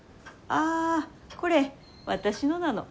ああこれ私のなの。